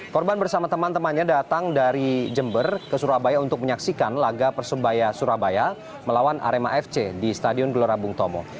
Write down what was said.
korban bersama teman temannya datang dari jember ke surabaya untuk menyaksikan laga persebaya surabaya melawan arema fc di stadion gelora bung tomo